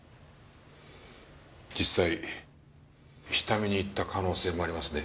実際下見に行った可能性もありますね。